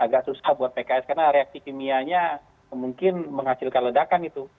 agak susah buat pks karena reaksi kimianya mungkin menghasilkan ledakan itu